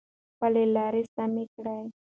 خپله لاره سمه کړئ.